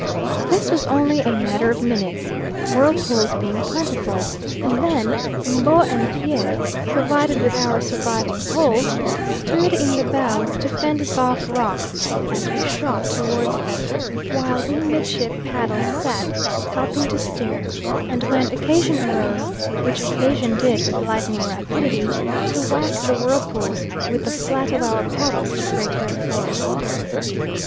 This was only a matter of minutes, whirlpools being plentiful, and then M'bo and Pierre, provided with our surviving poles, stood in the bows to fend us off rocks, as we shot towards them; while we midship paddles sat, helping to steer, and when occasion arose, which occasion did with lightning rapidity, to whack the whirlpools with the flat of our paddles, to break their force.